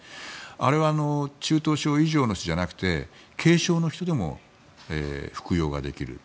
あれは中等症以上の人じゃなくて軽症の人でも服用ができる。